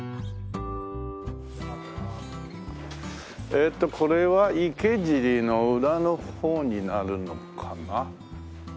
ええとこれは池尻の裏の方になるのかな？